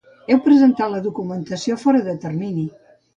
Heu presentat la documentació fora de termini.